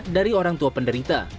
dari orang tua penderita